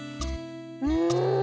うん！